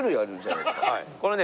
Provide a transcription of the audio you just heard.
これね